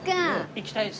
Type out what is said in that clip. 行きたいです。